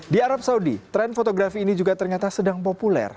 di arab saudi tren fotografi ini juga ternyata sedang populer